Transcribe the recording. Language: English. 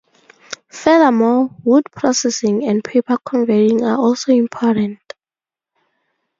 Furthermore, wood processing and paper converting are also important.